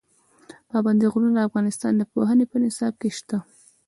پابندي غرونه د افغانستان د پوهنې په نصاب کې شته.